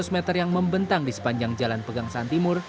membentang di sepanjang jalan pegang santimur